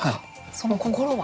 その心は？